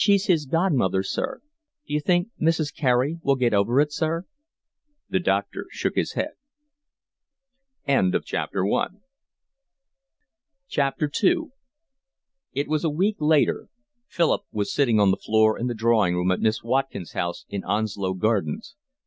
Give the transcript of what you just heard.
"She's his godmother, sir. D'you think Mrs. Carey will get over it, sir?" The doctor shook his head. II It was a week later. Philip was sitting on the floor in the drawing room at Miss Watkin's house in Onslow gardens.